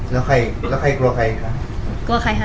แล้วใครกลัวใครคะ